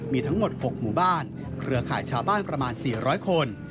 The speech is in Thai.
มีทั้งหมด๖หมู่บ้านเครือข่ายชาวบ้านประมาณ๔๐๐คน